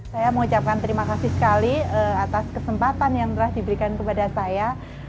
saya mengucapkan terima kasih sekali atas kesempatan yang telah diberikan kepada saya